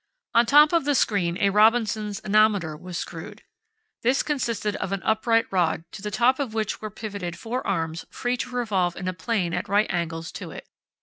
On top of the screen a Robinson's anemometer was screwed. This consisted of an upright rod, to the top of which were pivoted four arms free to revolve in a plane at right angles to it.